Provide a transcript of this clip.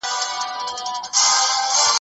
تېر سياسي جريانونه ژورې څېړنې ته اړتيا لري.